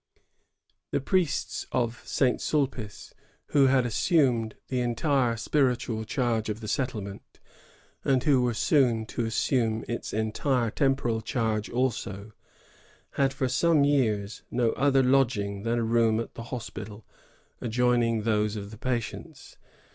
" The priests of St. Sulpice, who had assumed the entire spiritual charge of the settlement, and who were soon to assume its entire temporal charge also, had for some years no other lodging than a room at the hospital, adjoining those of the patients.